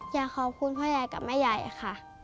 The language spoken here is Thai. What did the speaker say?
อยากขอบคุณพ่อไยกับแม่ยายครับ